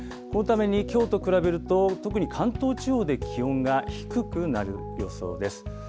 このために、きょうと比べると、特に関東地方で気温が低くなる予想です。